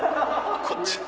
こっち。